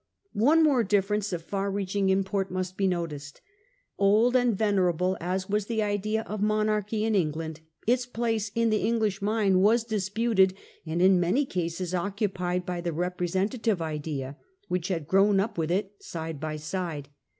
One more difference of far reaching import must be noticed. Old and venerable as was the idea of monarchy in England, its place in the English mind was disputed and in many cases occupied by the representative idea, which had grown up with it side by side.